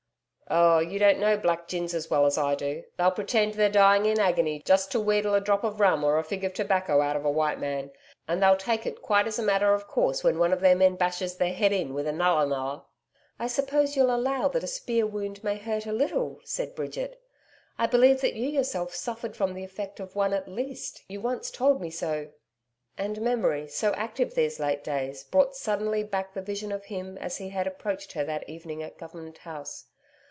'Oh, you don't know black gins as well as I do. They'll pretend they're dying in agony just to wheedle a drop of rum or a fig of tobacco out of a white man; and they'll take it quite as a matter of course when one of their men bashes their head in with a NULLA NULLA.' 'I suppose you'll allow that a spear wound may hurt a little,' said Bridget. 'I believe that you yourself suffered from the effect of one at least, you once told me so.' And memory so active these late days, brought suddenly back the vision of him as he had approached her that evening at Government House.